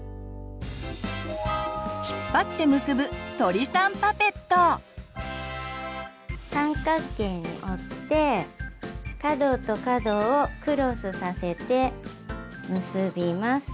引っ張って三角形に折って角と角をクロスさせて結びます。